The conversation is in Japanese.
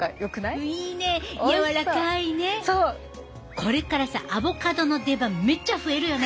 これからさアボカドの出番めっちゃ増えるよね。